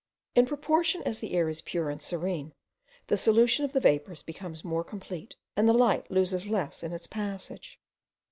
In proportion as the air is pure and serene, the solution of the vapours becomes more complete, and the light loses less in its passage.